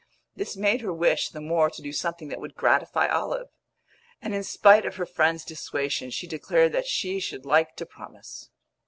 This made her wish the more to do something that would gratify Olive; and in spite of her friend's dissuasion she declared that she should like to promise.